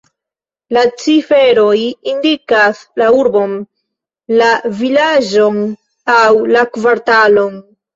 La ciferoj indikas la urbon, la vilaĝon aŭ la kvartalon.